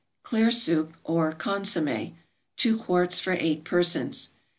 =Clear Soup, or Consommé.= (_Two quarts for eight persons.